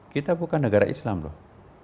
kita bukan negara islam loh